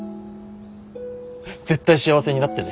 絶対幸せになってね。